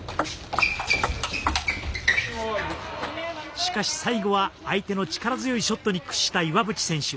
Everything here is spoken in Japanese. しかし、最後は相手の力強いショットに屈した岩渕選手。